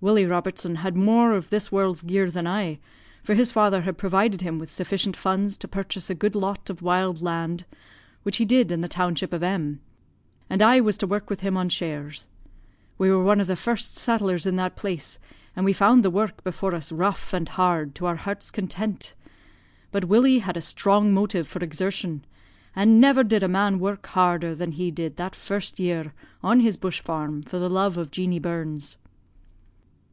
Willie Robertson had more of this world's gear than I, for his father had provided him with sufficient funds to purchase a good lot of wild land, which he did in the township of M , and I was to work with him on shares. We were one of the first settlers in that place, and we found the work before us rough and hard to our heart's content. But Willie had a strong motive for exertion and never did man work harder than he did that first year on his bush farm, for the love of Jeanie Burns.'